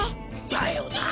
だよな？